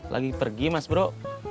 lagi pergi mas bro